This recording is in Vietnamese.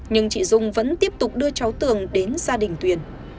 nhưng chị dung vẫn tiếp tục đưa cháu tường đến gia đình tuyền